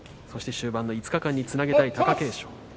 そして終盤の５日間につなげたい貴景勝